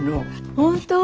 本当？